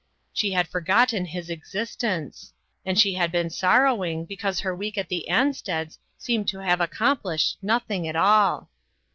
She 'had forgotten his existence ; arid she had been sorrowing because her week at the Ansteds seemed to have accomplished nothing at all.